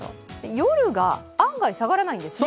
夜が案外、下がらないんですね。